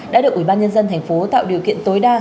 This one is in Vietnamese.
đã được ủy ban nhân dân thành phố tạo điều kiện tối đa